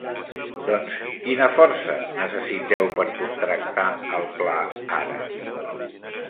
Doncs quina força necessiteu per contractar el pla ara?